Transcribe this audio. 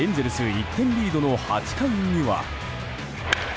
１点リードの８回には。